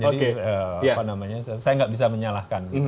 jadi apa namanya saya nggak bisa menyalahkan